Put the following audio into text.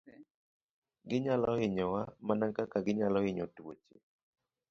Ginyalo hinyowa mana kaka ginyalo hinyo tuoche.